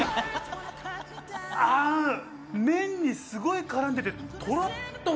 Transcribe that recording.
麺にすごい絡んでてとろっとろ！